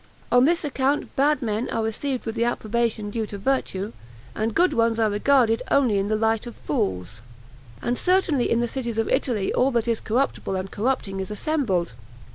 On this account bad men are received with the approbation due to virtue, and good ones are regarded only in the light of fools. "And certainly in the cities of Italy all that is corruptible and corrupting is assembled.